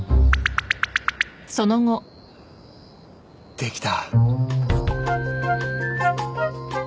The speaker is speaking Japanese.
できた